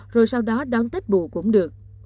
rồi sau đó đón tết bù cũng được